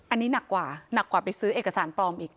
อันนี้หนักกว่าหนักกว่าไปซื้อเอกสารปลอมอีก